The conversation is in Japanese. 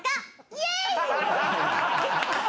イエーイ！